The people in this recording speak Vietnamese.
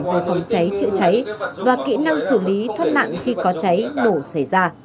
về phòng cháy chữa cháy và kỹ năng xử lý thoát nạn khi có cháy nổ xảy ra